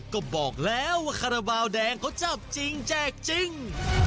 ก็บอกแล้วว่าคาราบาลแดงเขาจับจริงแจกจริง